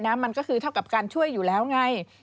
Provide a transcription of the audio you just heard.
มันก็คือเท่ากับการช่วยอยู่แล้วไง